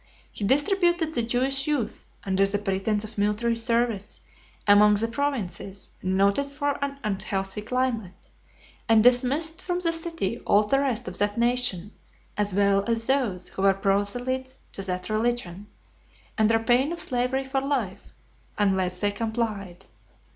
He distributed the Jewish youths, under the pretence of military service, among the provinces noted for an unhealthy climate; and dismissed from the city all the rest of that nation as well as those who were proselytes to that religion , under pain of slavery for life, unless they complied.